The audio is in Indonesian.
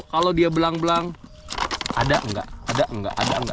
kalau dia belang belang ada enggak ada enggak